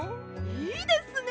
いいですね！